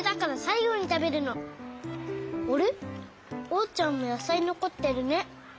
おうちゃんもやさいのこってるね。